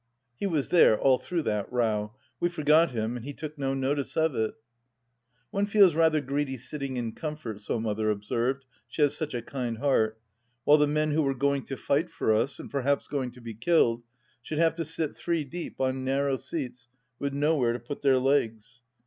(He was there all through that row. We forgot him, and he took no notice of it.) One feels rather greedy sitting in comfort, so Mother ob served — she has such a kind heart — while the men who were gomg to fight for us, and perhaps going to be killed, should have to sit three deep on narrow seats, with nowhere to put their legs.